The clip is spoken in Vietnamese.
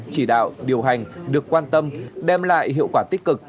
chỉ đạo điều hành được quan tâm đem lại hiệu quả tích cực